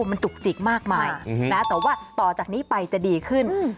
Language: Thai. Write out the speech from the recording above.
มันจุกจิกมากมายแต่ว่าต่อจากนี้ไปจะดีขึ้น